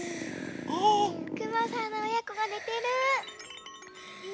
くまさんのおやこがねてる。